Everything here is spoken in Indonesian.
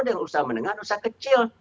dan usaha menengah dan usaha kecil